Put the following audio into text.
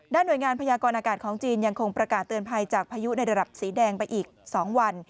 หน่วยงานพยากรอากาศของจีนยังคงประกาศเตือนภัยจากพายุในระดับสีแดงไปอีก๒วัน